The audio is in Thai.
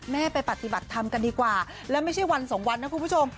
แม่ไปปฏิบัติธรรมกันดีกว่าและไม่ใช่วันสองวันนะคุณผู้ชม